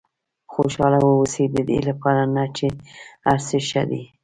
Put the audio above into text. خوشاله واوسئ ددې لپاره نه چې هر څه ښه دي.